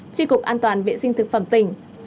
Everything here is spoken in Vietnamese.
tri cục an toàn vệ sinh thực phẩm tỉnh